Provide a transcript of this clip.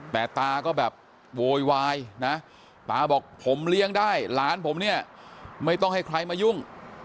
แต่ตาก็แบบโวยวายนะตาบอกผมเลี้ยงได้หลานผมเนี่ยไม่ต้องให้ใครมายุ่ง